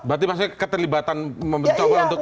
berarti maksudnya keterlibatan mencoba untuk